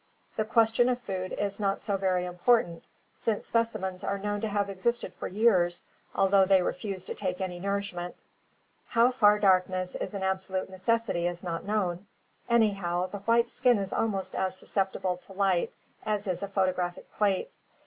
The question of food is not so very 376 ORGANIC EVOLUTION important, since specimens are known to have existed for years, although they refused to take any nourishment. How far darkness is an absolute necessity is not known. Anyhow, the white skin is almost as susceptible to light as is a photographic plate.